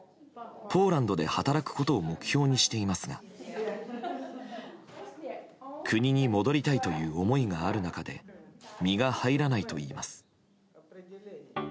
ポーランドで働くことを目標にしていますが国に戻りたいという思いがある中で身が入らないといいます。